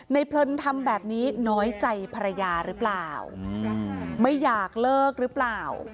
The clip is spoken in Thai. เพลินทำแบบนี้น้อยใจภรรยาหรือเปล่าไม่อยากเลิกหรือเปล่า